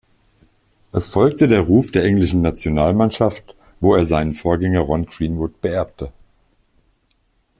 Es folgte der Ruf der englischen Nationalmannschaft, wo er seinen Vorgänger Ron Greenwood beerbte.